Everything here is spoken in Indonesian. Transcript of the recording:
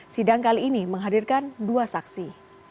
sidang kali ini menghadirkan dua saksi